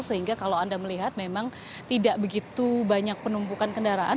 sehingga kalau anda melihat memang tidak begitu banyak penumpukan kendaraan